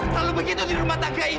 selalu begitu di rumah tangga ini